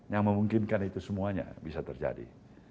yang memungkinkan itu semuanya bisa terjadi